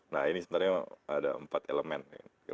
nah ini sebenarnya ada empat elemen